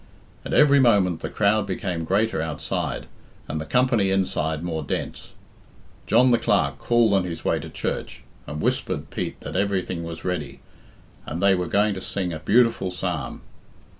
At every moment the crowd became greater outside, and the company inside more dense. John the Clerk called on his way to church, and whispered Pete that everything was ready, and they were going to sing a beautiful psalm.